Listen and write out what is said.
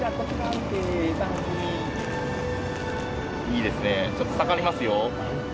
いいですねちょっと下がりますよ。